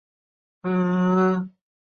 清顺治二年至扬州。